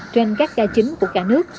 trên các ca chính của cả nước